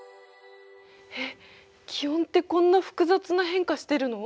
えっ気温ってこんな複雑な変化してるの？